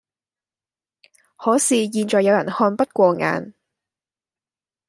可是現在有人看不過眼